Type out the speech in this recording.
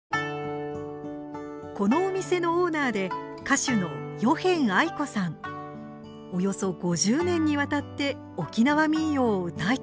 このお店のオーナーで歌手のおよそ５０年にわたって沖縄民謡を歌い続けています。